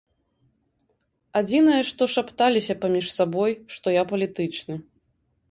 Адзінае што шапталіся паміж сабой, што я палітычны.